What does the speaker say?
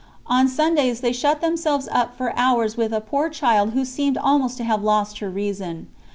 On Sundays they shut themselves up for hours with a poor child who seemed almost to have lost her reason.